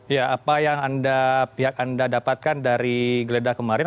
ya apa yang anda pihak anda dapatkan dari geledah kemarin